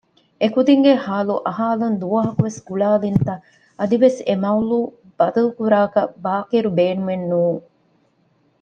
އެކުދިންގެ ޙާލު އަހާލަން ދުވަހަކުވެސް ގުޅާލިންތަ؟ އަދިވެސް އެ މަޥްޟޫޢު ބަދަލުކުރާކަށް ބާޤިރު ބޭނުމެއް ނޫން